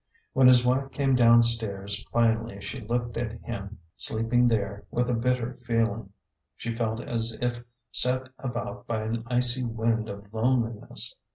When his wife came down stairs finally she looked at him, sleeping there, with a bitter feeling. She felt as if set about by an icy wind of loneliness.